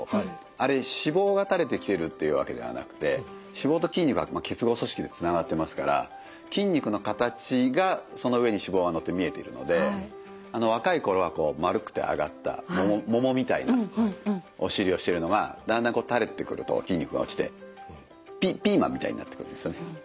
あれ脂肪が垂れてきてるっていうわけではなくて脂肪と筋肉は結合組織でつながってますから筋肉の形がその上に脂肪がのって見えているので若い頃は丸くて上がった桃みたいなお尻をしてるのがだんだんこう垂れてくると筋肉が落ちてピーマンみたいになってくるんですよね。